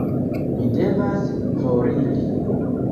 Mi devas foriri.